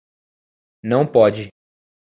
Não pode